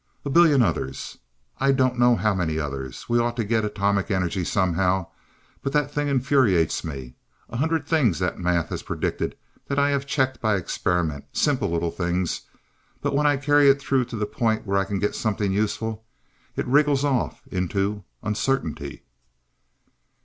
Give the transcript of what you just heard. "A billion others. I don't know how many others. We ought to get atomic energy somehow. But that thing infuriates me. A hundred things that math has predicted, that I have checked by experiment, simple little things. But when I carry it through to the point where I can get something useful it wriggles off into uncertainty."